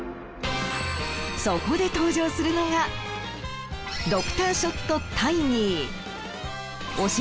そこで登場するのがドクターショットタイニー。